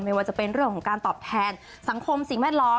ไม่ว่าจะเป็นเรื่องของการตอบแทนสังคมสิ่งแวดล้อม